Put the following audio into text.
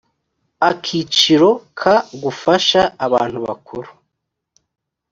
akiciro ka gufasha abantu bakuru